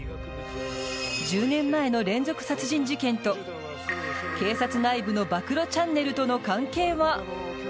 １０年前の連続殺人事件と警察内部の暴露チャンネルとの関係は。